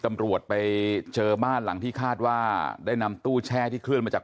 ตำรวจไปเจอบ้านหลังที่คาดว่าได้นำตู้แช่ที่เคลื่อนมาจาก